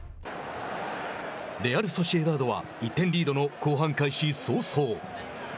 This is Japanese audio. レアルソシエダードは１点リードの後半開始早々。